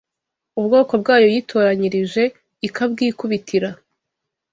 ubwoko bwayo yitoranyirije ikabwikubitira